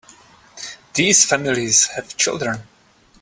These families have children.